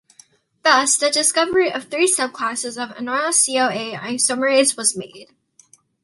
Thus, the discovery of three sub-classes of enoyl CoA isomerase was made.